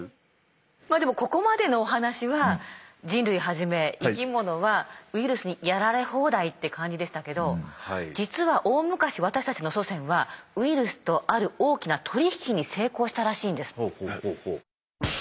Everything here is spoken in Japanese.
まあでもここまでのお話は人類はじめ生き物はウイルスにやられ放題って感じでしたけど実は大昔私たちの祖先はウイルスとある大きな取り引きに成功したらしいんです。